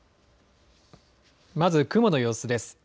まず雲の様子です。